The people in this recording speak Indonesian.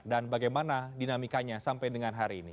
dan bagaimana dinamikanya sampai dengan hari ini